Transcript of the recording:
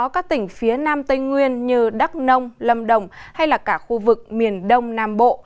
các tỉnh phía nam tây nguyên như đắk nông lâm đồng hay cả khu vực miền đông nam bộ